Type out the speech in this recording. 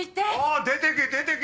あ出てけ出てけ！